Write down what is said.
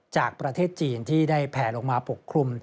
จากประเทศจีนที่ได้แผลลงมาปกคลุม